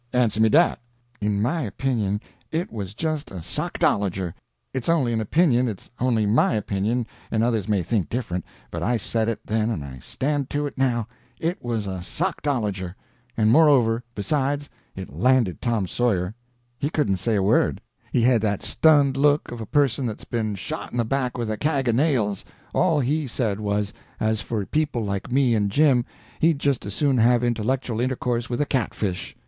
Answer me dat!" In my opinion it was just a sockdologer. It's only an opinion, it's only my opinion and others may think different; but I said it then and I stand to it now—it was a sockdologer. And moreover, besides, it landed Tom Sawyer. He couldn't say a word. He had that stunned look of a person that's been shot in the back with a kag of nails. All he said was, as for people like me and Jim, he'd just as soon have intellectual intercourse with a catfish.